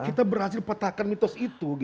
kita berhasil patahkan mitos politik ini